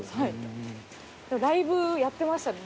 ライブやってましたね